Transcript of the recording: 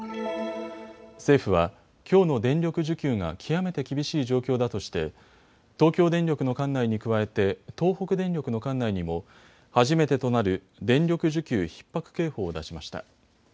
政府は、きょうの電力需給が極めて厳しい状況だとして東京電力の管内に加えて東北電力の管内にも初めてとなる電力需給ひっ迫警報を出しました。